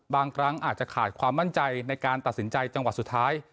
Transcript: บางครั้งอาจจะขาดความมั่นใจในการตัดสินใจจังหวะสุดท้าย